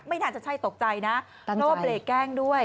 ไม่นานจะใช่ตกใจนะโล่เปรกแกล้งด้วย